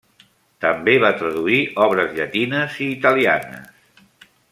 També va traduir obres llatines i italianes.